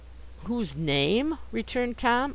'Whose name?' returned Tom.